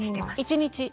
１日？